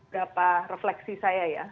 beberapa refleksi saya ya